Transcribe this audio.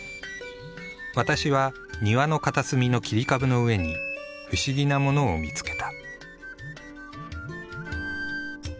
「ワタシ」は庭の片隅の切り株の上に不思議なものを見つけた。